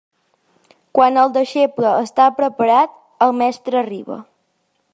Quan el deixeble està preparat, el mestre arriba.